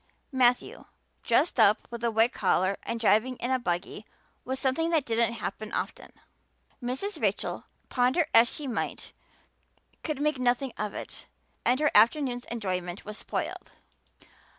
Matthew, dressed up with a white collar and driving in a buggy, was something that didn't happen often. Mrs. Rachel, ponder as she might, could make nothing of it and her afternoon's enjoyment was spoiled.